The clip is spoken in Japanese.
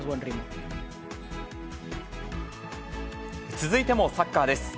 続いてもサッカーです。